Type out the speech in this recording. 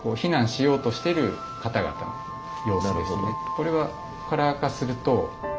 これはカラー化すると。